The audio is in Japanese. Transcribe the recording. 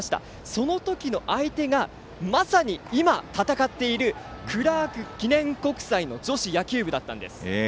その時の相手がまさに今、戦っているクラーク記念国際の女子野球部だったんです。